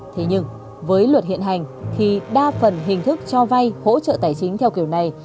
thế nhưng với luật hiện hành thì đa phần hình thức cho vay hỗ trợ tài chính theo kiểu này